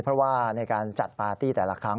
เพราะว่าในการจัดปาร์ตี้แต่ละครั้ง